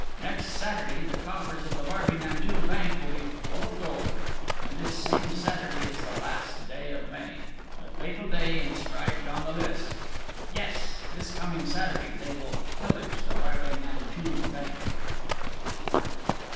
Next Saturday, the coffers of the Barbey Nanteuil bank will be full of gold, and this same Saturday is the last day of May, the fatal day inscribed on the list. Yes, this coming Saturday, they will pillage the Barbey Nanteuil bank!"